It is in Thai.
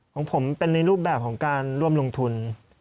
ของผมเป็นในรูปแบบของการร่วมลงทุน